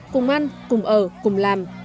cùng ăn cùng ở cùng làm